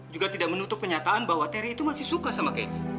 juga tidak menutup kenyataan bahwa terry itu masih suka sama keki